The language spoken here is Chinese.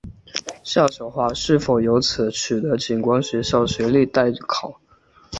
夏晓华是否由此取得警官学校学历待考。